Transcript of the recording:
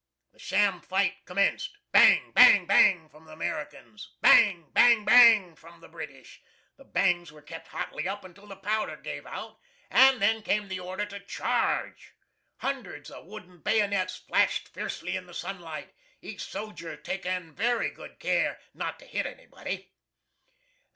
The sham fight commenced. Bang! bang! bang! from the Americans bang! bang! bang! from the British. The bangs were kept hotly up until the powder gave out, and then came the order to charge. Hundreds of wooden bayonets flashed fiercely in the sunlight, each soldier taking very good care not to hit anybody.